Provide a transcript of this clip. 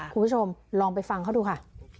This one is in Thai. คุณผู้ชมลองไปฟังเขาดูค่ะ